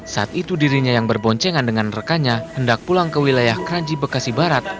saat itu dirinya yang berboncengan dengan rekannya hendak pulang ke wilayah kranji bekasi barat